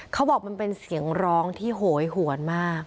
เขาบอกมันเป็นเสียงร้องที่โหยหวนมาก